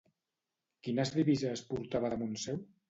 Quines divises portava damunt seu?